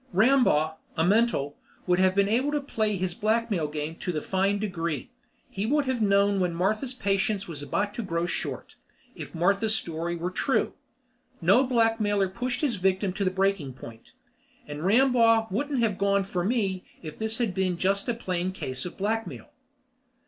Rambaugh, a mental, would have been able to play his blackmail game to the fine degree; he would have known when Martha's patience was about to grow short if Martha's story were true. No blackmailer pushed his victim to the breaking point. And Rambaugh wouldn't have gone for me if this had just been a plain case of blackmail.